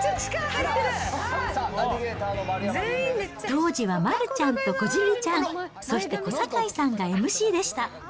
当時は丸ちゃんとこじるりちゃん、そして小堺さんがＭＣでした。